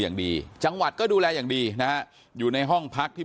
อย่างดีจังหวัดก็ดูแลอย่างดีนะฮะอยู่ในห้องพักที่